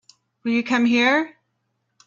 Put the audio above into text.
Will you come here?